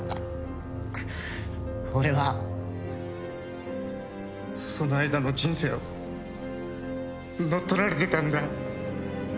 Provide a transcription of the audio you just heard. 俺はその間の人生を乗っ取られてたんだ。